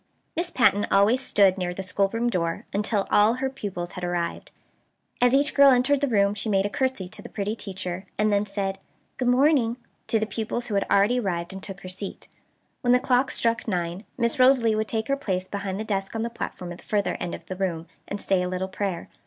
Miss Patten always stood near the schoolroom door until all her pupils had arrived. As each girl entered the room she made a curtsey to the pretty teacher, and then said "good morning" to the pupils who had already arrived, and took her seat. When the clock struck nine Miss Rosalie would take her place behind the desk on the platform at the further end of the room, and say a little prayer.